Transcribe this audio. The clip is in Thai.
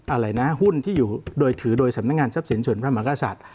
อะไรนะหุ้นที่อยู่โดยถือโดยสำนักงานทรัพย์สินส่วนพระมหากษัตริย์